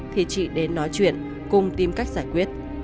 thì chị đến nói chuyện cùng tìm cách giải quyết